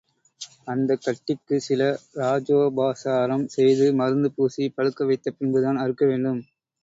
அந்தக் கட்டிக்குச் சில ராஜோபசாரம் செய்து மருந்துபூசிப் பழுக்கவைத்துப் பின்தான் அறுக்க வேண்டும்.